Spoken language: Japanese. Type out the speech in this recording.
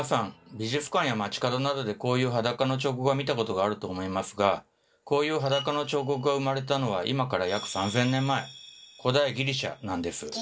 美術館や街角などでこういう裸の彫刻を見たことがあると思いますがこういう裸の彫刻が生まれたのは今から約３，０００年前古代ギリシャなんです。